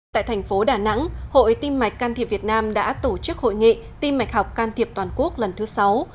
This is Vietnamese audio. tại thành phố đà nẵng hội tim mạch can thiệp việt nam đã tổ chức hội nghị tim mạch học can thiệp toàn quốc lần thứ sáu